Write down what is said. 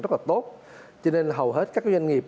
rất là tốt cho nên là hầu hết các doanh nghiệp